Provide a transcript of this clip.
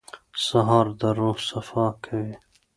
سهار د روح صفا کوي.